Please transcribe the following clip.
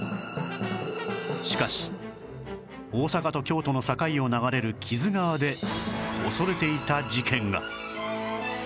しかし大坂と京都の境を流れる木津川で恐れていた事件が